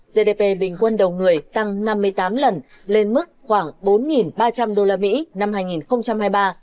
gdp bình quân đầu người tăng năm mươi tám lần lên mức khoảng bốn ba trăm linh usd năm hai nghìn hai mươi ba